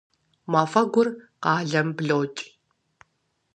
Мафӏэгур къалэм блокӏ.